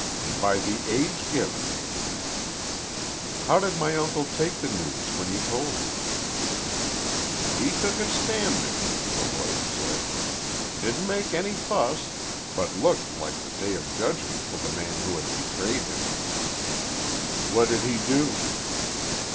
"By the age given." "How did my uncle take the news when you told him?" "He took it standing," the lawyer said. "Didn't make any fuss, but looked like the Day of Judgment for the man who had betrayed him." "What did he do?"